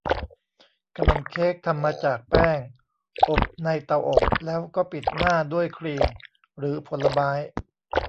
ขนมเค้กทำมาจากแป้ง อบในเตาอบ แล้วก็ปิดหน้าด้วยครีมหรือผลไม้